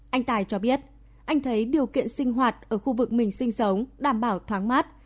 anh tài cho biết anh thấy điều kiện sinh hoạt ở khu vực mình sinh sống đảm bảo thoáng mát